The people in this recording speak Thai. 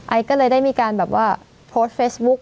อ๋าก็เลยได้มีแบบว่าพดแฟซบุ๊ก